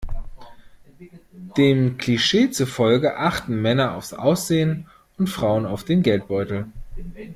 Dem Klischee zufolge achten Männer aufs Aussehen und Frauen auf den Geldbeutel.